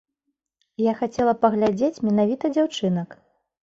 Я хацела паглядзець менавіта дзяўчынак.